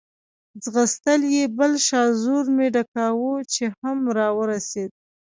ځغستل یې، بل شاژور مې ډکاوه، چې هم را ورسېد.